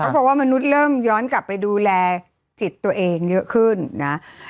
เพราะว่ามนุษย์เริ่มย้อนกลับไปดูแลจิตตัวเองเยอะขึ้นนะ